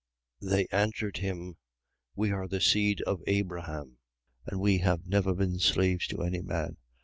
8:33. They answered him: We are the seed of Abraham: and we have never been slaves to any man.